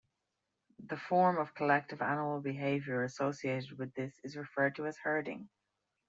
The form of collective animal behavior associated with this is referred to as "herding".